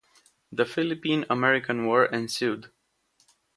The Philippine-American War ensued.